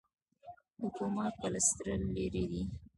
د کوما کلسټر لیرې دی.